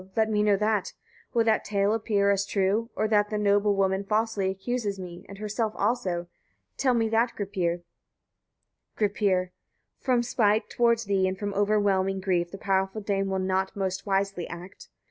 let me know that. Will that tale appear as true, or that the noble woman falsely accuses me, and herself also. Tell me that, Gripir! Gripir. 49. From spite towards thee, and from o'erwhelming grief, the powerful dame will not most wisely act.